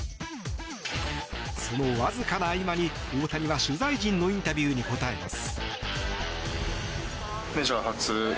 そのわずかな合間に大谷は取材陣のインタビューに答えます。